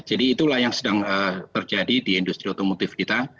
jadi itulah yang sedang terjadi di industri otomotif kita